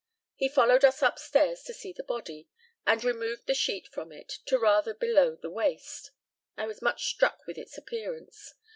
He followed us upstairs to see the body, and removed the sheet from it to rather below the waist. I was much struck with its appearance.